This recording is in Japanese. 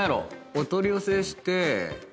お取り寄せして。